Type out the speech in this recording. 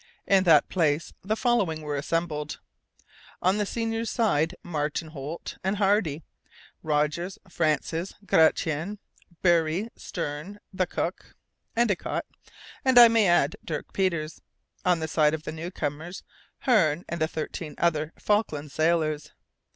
In that place the following were assembled: on the seniors' side: Martin Holt and Hardy, Rogers, Francis, Gratian, Bury, Stern, the cook (Endicott), and I may add Dirk Peters; on the side of the new comers, Hearne and the thirteen other Falkland sailors.